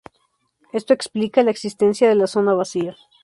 Esto explica la existencia de la zona vacía.